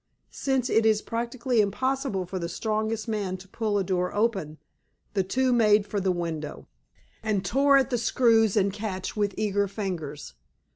Since it is practically impossible for the strongest man to pull a door open, the two made for the window, and tore at screws and catch with eager fingers.